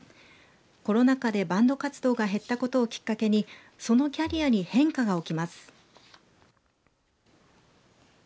コロナ禍でバンド活動が減ったことをきっかけにそのキャリアに変化が起きます。